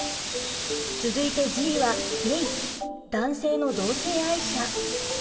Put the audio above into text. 続いて「Ｇ」はゲイ男性の同性愛者。